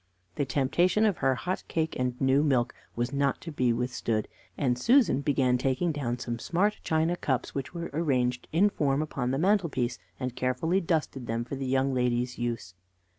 The temptation of her hot cake and new milk was not to be withstood, and Susan began taking down some smart china cups, which were arranged in form upon the mantelpiece, and carefully dusted them for the young ladies' use.